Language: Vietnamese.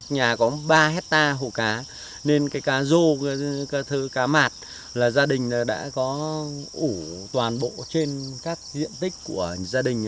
nhà có ba hectare hồ cá nên cái cá rô cá thơ cá mạt là gia đình đã có ủ toàn bộ trên các diện tích của gia đình